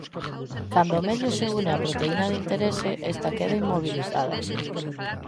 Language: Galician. Cando o medio se une á proteína de interese esta queda inmobilizada.